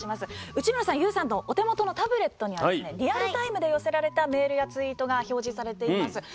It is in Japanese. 内村さん、ＹＯＵさんのお手元のタブレットにはリアルタイムで寄せられたメールやツイートが表示されています。